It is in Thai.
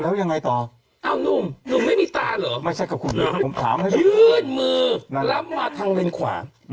แล้วยังไงต่ออ้าวนุ่มนุ่มไม่มีตาเหรอยื่นมือรับมาทางเลนค์ขวา